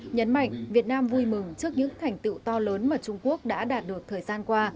nhấn mạnh việt nam vui mừng trước những thành tựu to lớn mà trung quốc đã đạt được thời gian qua